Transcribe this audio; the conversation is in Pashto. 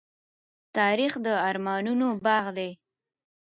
تاریخ د ارمانونو باغ دی.